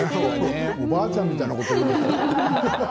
おばあちゃんみたいなことを言いましたね。